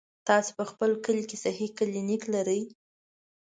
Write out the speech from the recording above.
تاسې په خپل کلي کې صحي کلينيک لرئ؟